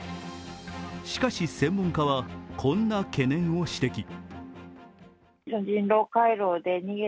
しかし専門家はこんな懸念を指摘。